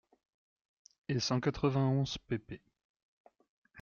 et cent quatre-vingt-onze pp.